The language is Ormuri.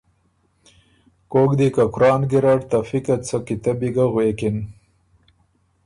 کوک دی که قرآن ګیرډ ته فقه څه کیتبی ګه غوېکِن۔